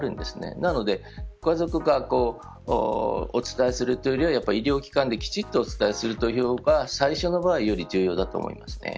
なのでご家族がお伝えするというよりは医療機関できちんとお伝えする方が最初の場合はより重要だと思います。